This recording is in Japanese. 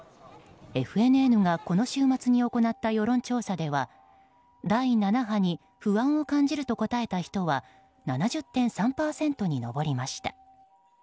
ＦＮＮがこの週末に行った世論調査では第７波に不安を感じると答えた人は７０．３％に上りました。